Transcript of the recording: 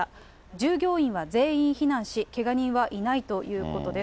従業員は全員避難し、けが人はいないということです。